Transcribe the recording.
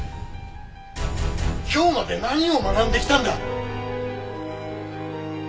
今日まで何を学んできたんだ？